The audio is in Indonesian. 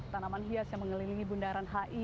tanaman hias yang mengelilingi bundaran hi